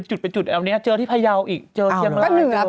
พบเป็นจุดแล้วนี้เจอที่พยาวอีกเจอเกียมร้าย